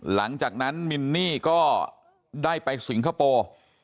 หลังจากนั้นมินนี่ก็ได้ไปสิงคโปร์